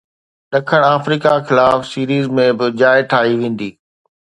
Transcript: ڏکڻ آفريڪا خلاف سيريز ۾ به جاءِ ٺاهي ويندي